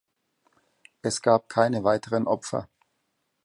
Es gab keine weiteren Opfer.